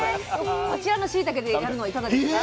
こちらのしいたけでやるのはいかがですか？